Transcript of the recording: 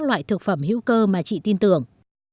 loại thực phẩm hữu cơ mà chị tin tưởng